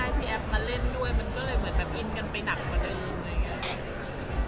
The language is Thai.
ว่าได้ที่แอฟมาเล่นด้วยมันก็เลยเหมือนกันไปหนักกว่าในอื่น